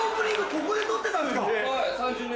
ここで撮ってたんですか？